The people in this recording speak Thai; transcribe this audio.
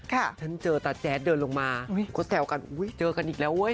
ฉันเจอตาแจ๊ดเดินลงมาเขาแซวกันอุ้ยเจอกันอีกแล้วเว้ย